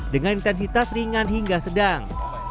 dengan intensitas ringan hingga sedang